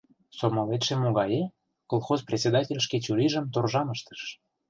— Сомылетше могае? — колхоз председатель шке чурийжым торжам ыштыш.